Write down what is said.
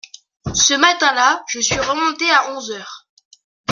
Ce matin-là, je suis remonté à onze heures.